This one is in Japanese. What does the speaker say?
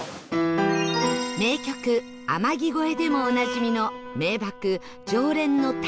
名曲『天城越え』でもおなじみの名瀑浄蓮の滝